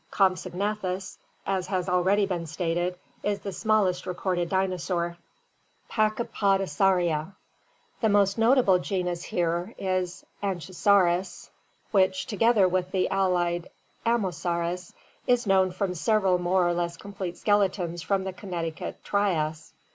Compsognathus, as has already been stated, is the smallest recorded dinosaur. Pachypodosauria. — The most notable genus here is Anchisaurus which, together with the allied Ammosaurus, is known from several more or less complete skeletons from the Connecticut Trias.